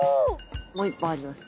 もう一本あります。